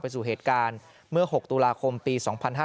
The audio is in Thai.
สู่เหตุการณ์เมื่อ๖ตุลาคมปี๒๕๕๙